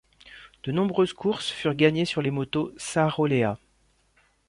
De nombreuses courses furent gagnées sur les motos Saroléa.